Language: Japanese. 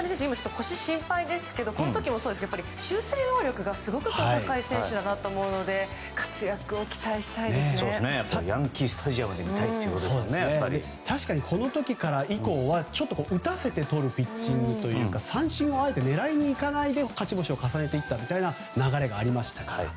今、腰が心配ですけどこの時もそうですが修正能力がすごく高い選手だなと思うのでヤンキー・スタジアムで確かに、この時以降はちょっと打たせてとるピッチングというか三振を狙いにいかないで勝ち星を重ねていったという流れがありましたから。